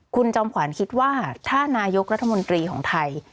คุณจอมขวัญคิดว่าถ้านายกรัฐมนตรีของไทย